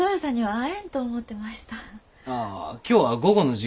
ああ。